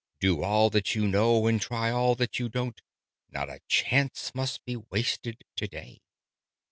Do all that you know, and try all that you don't: Not a chance must be wasted to day!